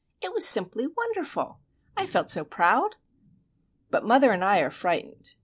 It was simply wonderful! I felt so proud!" But mother and I are frightened.